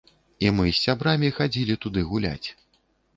І мы з сябрамі хадзілі туды гуляць.